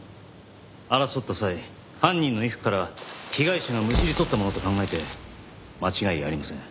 争った際犯人の衣服から被害者がむしり取ったものと考えて間違いありません。